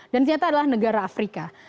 dan ternyata adalah negara afrika